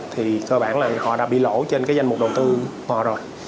thì cơ bản là họ đã bị lỗ trên cái danh mục đầu tư bò rồi